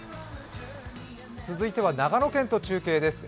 続いては長野県と中継です。